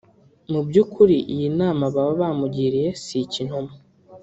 Mu by’ukuri iyi nama baba bamugiriye si ikinyoma